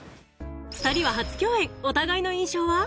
２人は初共演お互いの印象は？